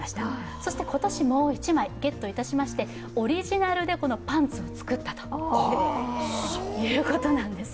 そして今年もう一枚ゲットいたしましてオリジナルでパンツを作ったということなんです。